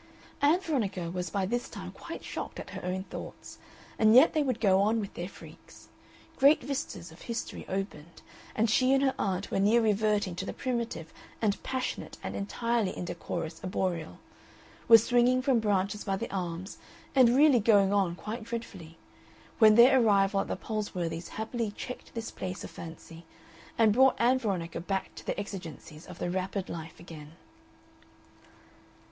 Ann Veronica was by this time quite shocked at her own thoughts, and yet they would go on with their freaks. Great vistas of history opened, and she and her aunt were near reverting to the primitive and passionate and entirely indecorous arboreal were swinging from branches by the arms, and really going on quite dreadfully when their arrival at the Palsworthys' happily checked this play of fancy, and brought Ann Veronica back to the exigencies of the wrappered life again.